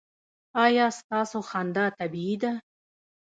ایا ستاسو خندا طبیعي ده؟